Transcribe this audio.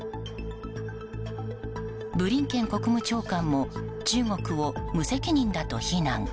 ブリンケン国務長官も中国を無責任だと非難。